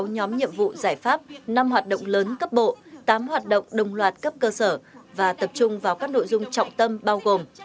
sáu nhóm nhiệm vụ giải pháp năm hoạt động lớn cấp bộ tám hoạt động đồng loạt cấp cơ sở và tập trung vào các nội dung trọng tâm bao gồm